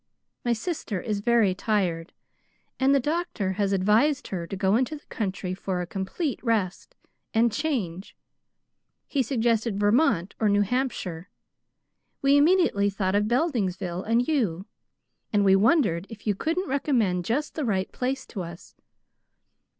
My sister is very tired, and the doctor has advised her to go into the country for a complete rest and change. He suggested Vermont or New Hampshire. We immediately thought of Beldingsville and you; and we wondered if you couldn't recommend just the right place to us.